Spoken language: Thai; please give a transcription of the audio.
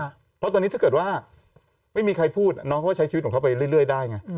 เพราะตอนนี้ถ้าเกิดว่าไม่มีใครพูดน้องเขาก็ใช้ชีวิตของเขาไปเรื่อยได้ไง